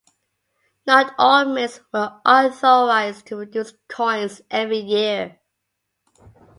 Not all mints were authorized to produce coins every year.